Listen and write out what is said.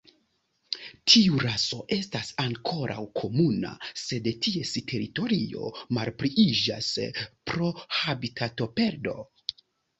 Tiu raso estas ankoraŭ komuna, sed ties teritorio malpliiĝas pro habitatoperdo.